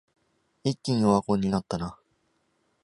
一気にオワコンになったな